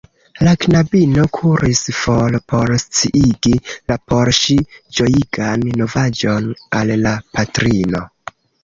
La knabino kuris for por sciigi la por ŝi ĝojigan novaĵon al la patrino.